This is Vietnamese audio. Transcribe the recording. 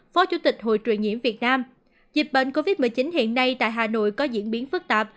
phó chủ tịch hội truyền nhiễm việt nam dịch bệnh covid một mươi chín hiện nay tại hà nội có diễn biến phức tạp